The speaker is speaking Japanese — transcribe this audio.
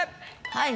はい。